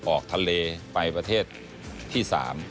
ออกทะเลไปประเทศที่๓